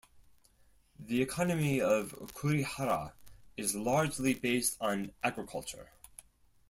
The economy of Kurihara is largely based on agriculture.